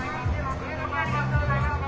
２人ともありがとうございました。